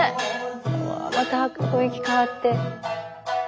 うわまた雰囲気変わって。